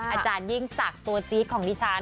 อาจารย์ยิ่งสักตัวจี๊กของดิฉัน